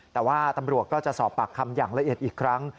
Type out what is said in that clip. แต่ว่าตำรวจก็จะสอบปากคำอย่างละเอียดอีกครั้ง